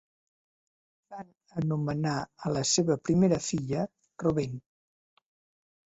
Van anomenar a la seva primera filla Robin.